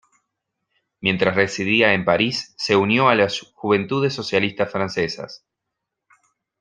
Mientras residía en París se unió a las Juventudes socialistas francesas.